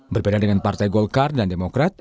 berbeda dengan partai golkar dan demokrat